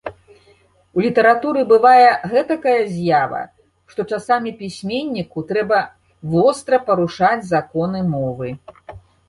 У літаратуры бывае гэтакая з'ява, што часамі пісьменніку трэба востра парушаць законы мовы.